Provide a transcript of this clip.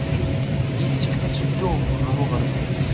Yessefk ad teddum ɣer uɣerbaz.